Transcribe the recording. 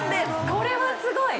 これはすごい！